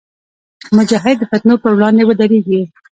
مجاهد د فتنو پر وړاندې ودریږي.